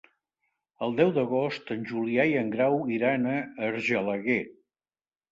El deu d'agost en Julià i en Grau iran a Argelaguer.